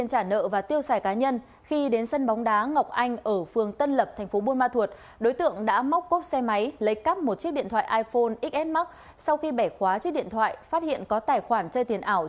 sau khi bẻ khóa chiếc điện thoại phát hiện có tài khoản chơi tiền ảo